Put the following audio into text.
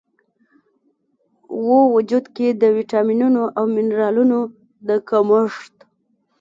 و وجود کې د ویټامینونو او منرالونو د کمښت